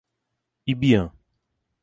Ibiam